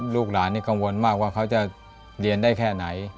ลูกหลานนี่กังวลมากว่าเขาจะเรียนได้แค่ไหน